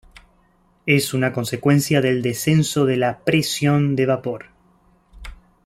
Es una consecuencia del descenso de la presión de vapor.